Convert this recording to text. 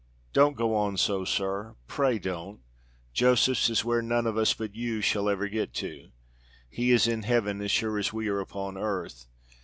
"Don't go on so, sir! pray don't. Josephs is where none of us but you shall ever get to; he is in heaven as sure as we are upon earth.